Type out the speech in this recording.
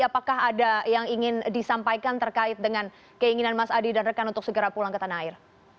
apakah ada yang ingin disampaikan terkait dengan keinginan mas adi dan rekan untuk segera pulang ke tanah air